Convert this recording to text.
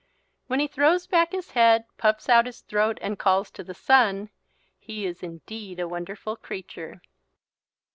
When he throws back his head, puffs out his throat, and calls to the Sun, he is indeed a wonderful creature.